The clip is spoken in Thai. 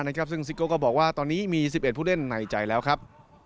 ซึ่งซิโก้ก็บอกว่าตอนนี้มี๑๑ผู้เล่นในใจแล้วครับ